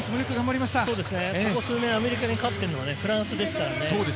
ここ数年、アメリカに勝っているのはフランスです。